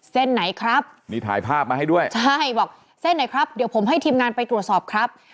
เส้นไหนครับมีถ่ายภาพมาให้ด้วยใช่บอกเส้นไหนครับเดี๋ยวผมให้ทีมงานไปตรวจสอบครับ